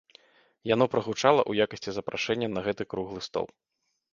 Яно прагучала ў якасці запрашэння на гэты круглы стол.